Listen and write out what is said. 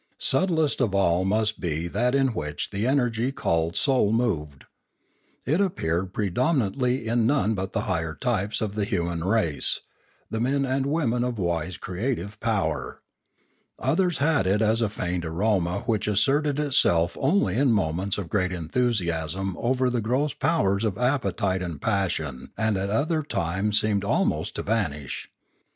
Subtlest of all must be that in which the energy called soul moved. It appeared predominantly in none but the higher types of the human race, the men and women of wise creative power. Others had it as a faint aroma which asserted itself only in moments of great enthusiasm over the gross powers of appetite and passion and at other times seemed almost to vanish.